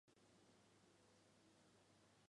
天津地铁一号线的海光寺站即位于此路口附近。